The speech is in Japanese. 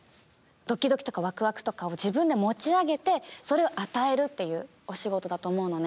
ドキドキとかワクワクとかを自分で持ち上げてそれを与えるっていうお仕事だと思うのね。